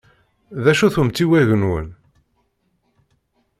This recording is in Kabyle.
D acu-t umtiweg-nwent?